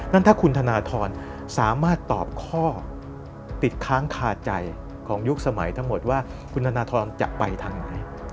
นั่นถ้าคุณธนทรสามารถตอบข้อติดค้างคาใจของยุคสมัยทั้งหมดว่าคุณธนทรจะไปทางไหน